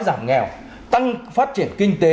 giảm nghèo tăng phát triển kinh tế